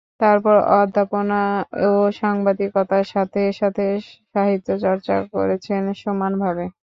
তারপর অধ্যাপনা ও সাংবাদিকতার সাথে সাথে সাহিত্যচর্চা করেছেন সমানভাবে।